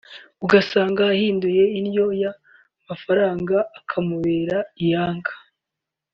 ugasanga ahinduye indyo ya mafaranga akamubera iyanga